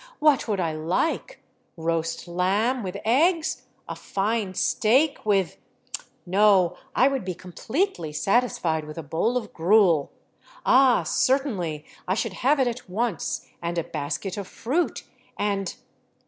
What would I like, roast lamb with eggs, a fine steak with ... No, I would be completely satisfied with a bowl of gruel. Ah^ certainly, I should have it at once, and a basket of fruit, and